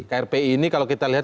krpi ini kalau kita lihat